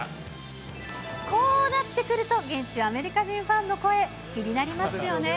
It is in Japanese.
こうなってくると、現地、アメリカ人ファンの声、気になりますよね？